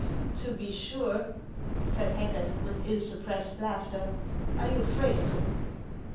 " To be sure," said Hacket, with ill suppressed laughter ;" are you afraid of him